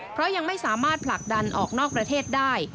เพราะยังไม่สามารถผลักดันออกนอกประเทศได้